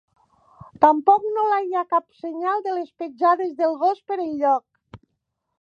Tampoc no la hi ha cap senyal de les petjades de gos per enlloc.